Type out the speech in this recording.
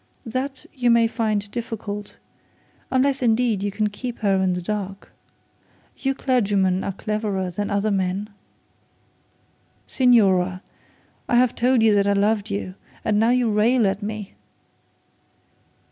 That you may find difficult; unless, indeed, you can keep her in the dark. You clergymen are cleverer than other men.' 'Signora, I have told you that I loved you, and now you rail at me?'